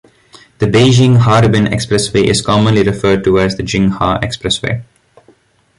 The Beijing-Harbin Expressway is commonly referred to as the Jingha Expressway.